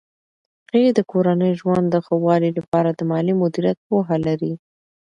هغې د کورني ژوند د ښه والي لپاره د مالي مدیریت پوهه لري.